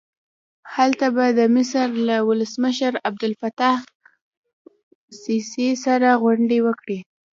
هلته به د مصر له ولسمشر عبدالفتاح السیسي سره غونډه وکړي.